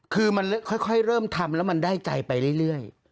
คือมันค่อยเริ่มทำแล้วมันได้ใจไปเรื่อย